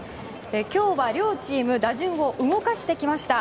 今日は両チーム打順を動かしてきました。